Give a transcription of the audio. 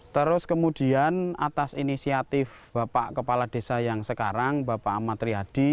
terus kemudian atas inisiatif bapak kepala desa yang sekarang bapak amat riyadi